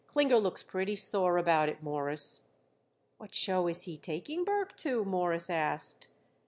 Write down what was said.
Klinger looked pretty sore about it, Mawruss." "What show is he taking Burke to?" Morris asked.